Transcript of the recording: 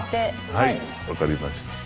はいわかりました。